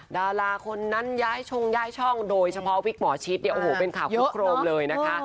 ดาราคนนั้นย้ายชงย้ายช่องโดยเฉพาะวิกหมอชิดเนี่ยโอ้โหเป็นข่าวคึกโครมเลยนะคะ